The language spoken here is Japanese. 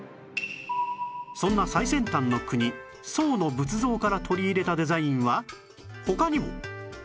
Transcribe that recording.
そんな最先端の国宋の仏像から取り入れたデザインは他にも